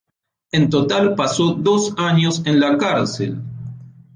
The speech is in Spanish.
En total pasó dos años en la cárcel.